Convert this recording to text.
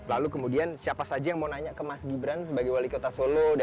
lalu kemudian siapa saja yang mau nanya ke mas gibran sebagai wali kota solo